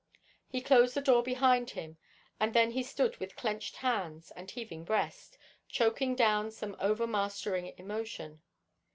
He closed the door behind him, and then he stood with clenched hands and heaving breast, choking down some overmastering emotion.